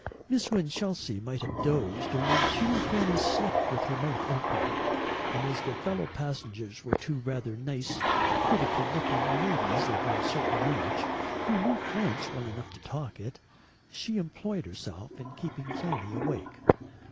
Miss Winchelsea might have dozed, only she knew Fanny slept with her mouth open; and as their fellow passengers were two rather nice critical looking ladies of uncertain age who knew French well enough to talk it she employed herself in keeping Fanny awake.